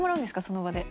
その場で。